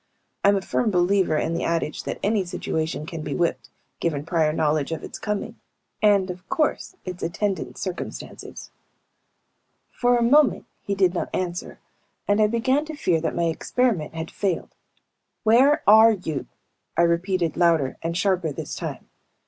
I'm a firm believer in the adage that any situation can be whipped, given prior knowledge of its coming and, of course, its attendant circumstances. For a moment he did not answer and I began to fear that my experiment had failed. "Where are you?" I repeated, louder and sharper this time.